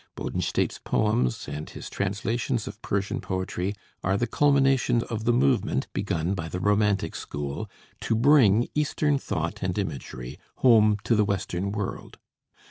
Bodenstedt's poems and his translations of Persian poetry are the culmination of the movement, begun by the Romantic School, to bring Eastern thought and imagery home to the Western world.